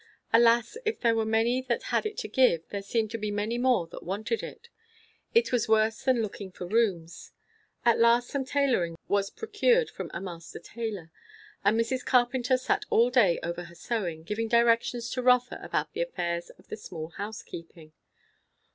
Alas, if there were many that had it to give, there seemed to be many more that wanted it. It was worse than looking for rooms. At last some tailoring was procured from a master tailor; and Mrs. Carpenter sat all day over her sewing, giving directions to Rotha about the affairs of the small housekeeping.